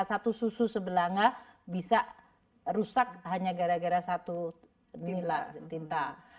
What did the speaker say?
satu susu sebelanga bisa rusak hanya gara gara satu tinta